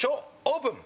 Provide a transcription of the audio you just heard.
オープン！